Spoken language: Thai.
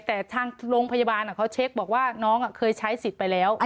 แต่ทางโรงพยาบาลเขาเช็คบอกว่าน้องเคยใช้สิทธิ์ไปแล้ว